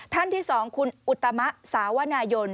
ท่านที่๒คุณอุตมะสาวนายน